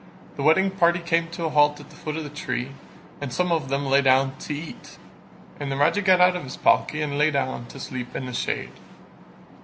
The wedding party came to a halt at the foot of the tree and some of them lay down to eat and the Raja got out of his palki and lay down to sleep in the shade.